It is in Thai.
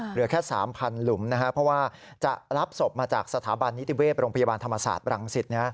เหลือแค่๓๐๐หลุมนะครับเพราะว่าจะรับศพมาจากสถาบันนิติเวศโรงพยาบาลธรรมศาสตร์บรังสิต